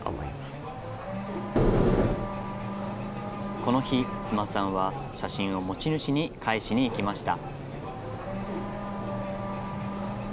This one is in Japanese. この日、須磨さんは写真を持ち主に返しに行きました。